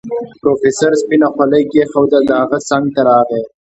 پروفيسر سپينه خولۍ کېښوده د هغه څنګ ته راغی.